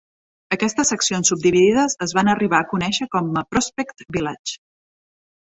Aquestes seccions subdividides es van arribar a conèixer com a Prospect Village.